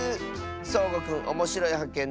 そうごくんおもしろいはっけん